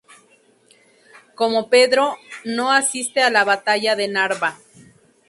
Como Pedro, no asiste a la batalla de Narva.